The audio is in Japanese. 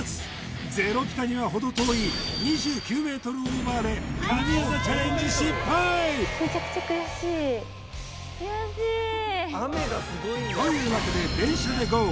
ゼロピタにはほど遠い２９ｍオーバーで神業チャレンジ失敗というわけで電車でＧＯ！！